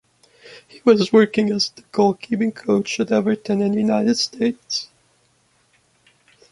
He was working as the goalkeeping coach at Everton and United States.